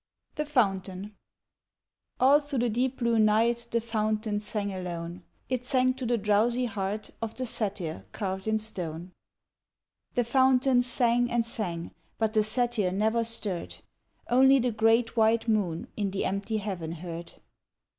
The Fountain All through the deep blue night The fountain sang alone; It sang to the drowsy heart Of the satyr carved in stone. The fountain sang and sang, But the satyr never stirred Only the great white moon In the empty heaven heard.